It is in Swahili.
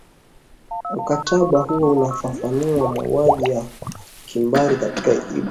mkataba huo unafafanua mauaji ya kimbari katika ibara ya pili